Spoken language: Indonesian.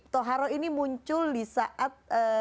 toharo ini muncul di saat